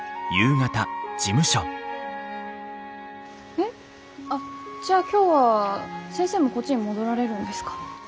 えっあっじゃあ今日は先生もこっちに戻られるんですか？